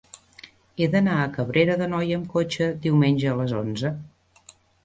He d'anar a Cabrera d'Anoia amb cotxe diumenge a les onze.